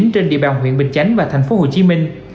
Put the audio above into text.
trên địa bàn huyện bình chánh và thành phố hồ chí minh